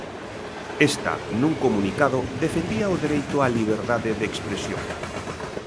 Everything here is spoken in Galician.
Esta, nun comunicado, defendía o dereito á liberdade de expresión.